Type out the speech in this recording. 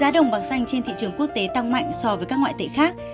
giá đồng bằng xanh trên thị trường quốc tế tăng mạnh so với các ngoại tệ khác